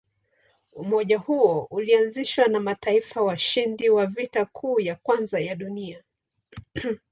Umoja huo ulianzishwa na mataifa washindi wa Vita Kuu ya Kwanza ya Dunia.